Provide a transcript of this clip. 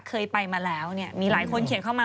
เคยไปมาแล้วเนี่ยมีหลายคนเขียนเข้ามา